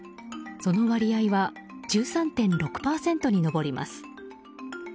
その割合は１３．６％に上ります。